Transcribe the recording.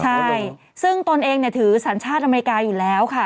ใช่ซึ่งตนเองเนี่ยถือสัญชาติอเมริกาอยู่แล้วค่ะ